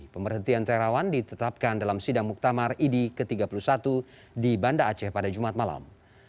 pemberhentian terawan ditetapkan dalam sidang muktamar idi ke tiga puluh satu di banda aceh pada jumat malam